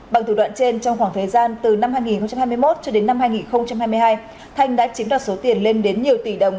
bằng thủ đoạn trên trong khoảng thời gian từ năm hai nghìn hai mươi một cho đến năm hai nghìn hai mươi hai thanh đã chiếm đoạt số tiền lên đến nhiều tỷ đồng